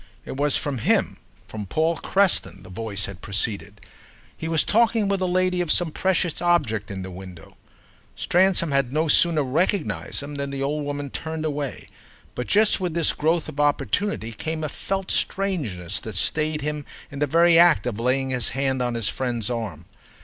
It was from him, from Paul Creston, the voice had proceeded: he was talking with the lady of some precious object in the window. Stransom had no sooner recognised him than the old woman turned away; but just with this growth of opportunity came a felt strangeness that stayed him in the very act of laying his hand on his friend's arm.